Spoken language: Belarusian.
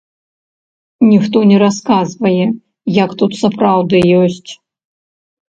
Ніхто не расказвае, як тут сапраўды ёсць.